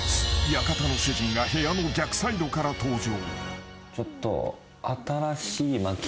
館の主人が部屋の逆サイドから登場］